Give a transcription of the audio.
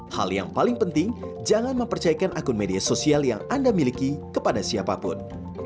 hal yang paling penting jangan mempercayakan akun media sosial yang anda miliki kepada siapapun